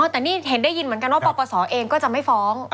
แต่นี่เห็นได้ยินเหมือนกันว่าปปศเองก็จะไม่ฟ้อง